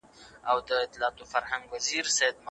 څنګه نوښت او خلاقیت د رواني ستړیا مخنیوی کوي؟